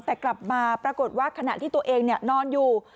แต่กลับมาปรากฏว่าขณะที่ตัวเองนอนอยู่